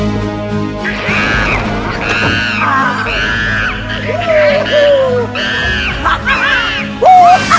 minyaktc grace sudah berhasil menggembalikan